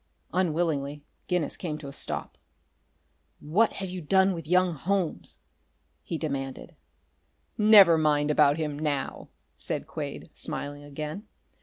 Unwillingly, Guinness came to a stop. "What have you done with young Holmes?" he demanded. "Never mind about him now," said Quade, smiling again.